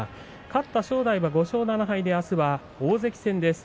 勝った正代は５勝７敗であすは大関戦です。